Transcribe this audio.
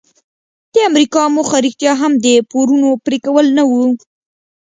د امریکا موخه رښتیا هم د پورونو پریکول نه وو.